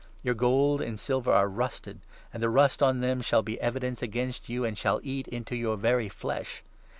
Your gold and silver are rusted ; and 3 the rust on them shall be evidence against you, and shall eat into your very flesh.